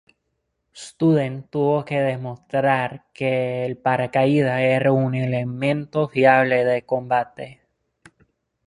Student tuvo que demostrar que el paracaídas era un elemento fiable de combate.